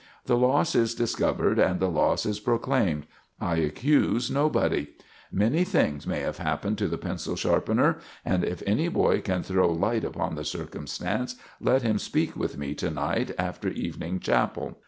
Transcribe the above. The loss is discovered and the loss is proclaimed. I accuse nobody. Many things may have happened to the pencil sharpener, and if any boy can throw light upon the circumstance let him speak with me to night after evening chapel.